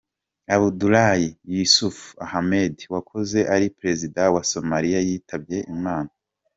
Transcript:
Abdullahi Yusuf Ahmed, wahoze ari perezida wa Somalia yitabye Imana.